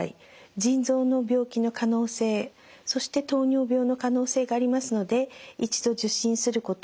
腎臓の病気の可能性そして糖尿病の可能性がありますので一度受診することをお勧めします。